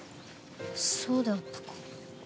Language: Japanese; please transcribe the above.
そうであったか。